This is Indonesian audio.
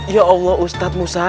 ya allah ustadz musa